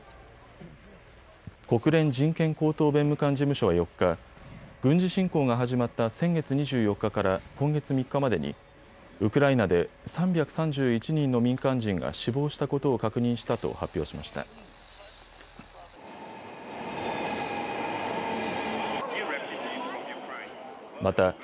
国連人権高等弁務官事務所は４日、軍事侵攻が始まった先月２４日から今月３日までにウクライナで３３１人の民間人が死亡したことを確認したと発表しました。